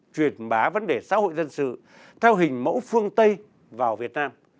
truyền bá vấn đề xã hội dân sự theo hình mẫu phương tây vào việt nam